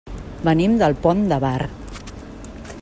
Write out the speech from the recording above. Venim del Pont de Bar.